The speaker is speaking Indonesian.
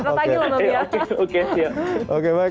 lo tanyalah mbak mia